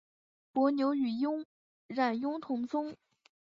伯牛与冉雍同宗。